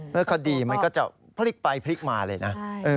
แล้วคดีมันก็จะพลิกไปพลิกมาเลยนะ